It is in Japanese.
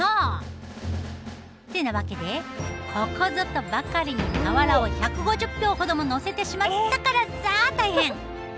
ってなわけでここぞとばかりに俵を１５０俵ほども載せてしまったからさあ大変！